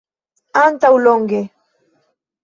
Antaŭ longe.